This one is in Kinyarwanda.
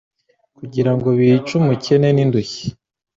kugira ngo bice umukene n’indushyi